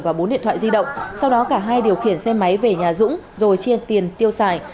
và bốn điện thoại di động sau đó cả hai điều khiển xe máy về nhà dũng rồi chia tiền tiêu xài